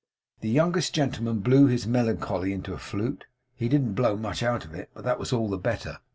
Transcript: The youngest gentleman blew his melancholy into a flute. He didn't blow much out of it, but that was all the better.